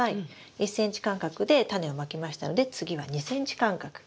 １ｃｍ間隔でタネをまきましたので次は２ｃｍ間隔。